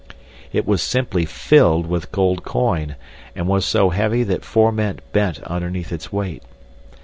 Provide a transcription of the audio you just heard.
It was simply filled with gold coin, and was so heavy that four men bent underneath its weight.